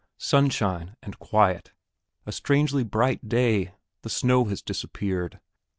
Sunshine and quiet a strangely bright day. The snow had disappeared.